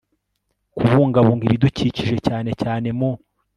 Kubungabunga Ibidukikije cyane cyane mu